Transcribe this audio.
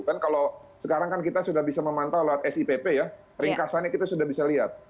kan kalau sekarang kan kita sudah bisa memantau lewat sipp ya ringkasannya kita sudah bisa lihat